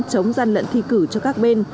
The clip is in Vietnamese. chống gian lận thi cử cho các bên